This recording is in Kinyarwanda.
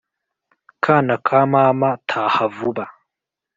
Kana ka mama taha vuba